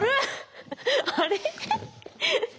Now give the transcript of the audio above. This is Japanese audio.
あれ？